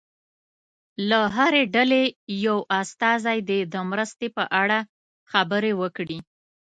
له هرې ډلې یو استازی دې د مرستې په اړه خبرې وکړي.